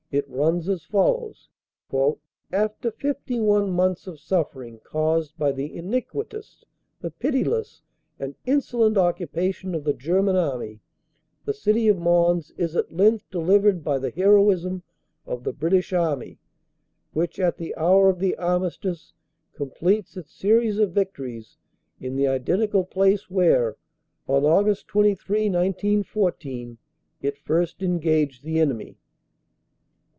It runs as follows : "After 51 months of suffering caused by the iniquitous, the pitiless and insolent occupation of the German Army, the City of Mons is at length delivered by the heroism of the British Army, which, at the hour of the Armistice, completes its series of victories in the identical place where, on Aug. 23, 1914, it first engaged the enemy.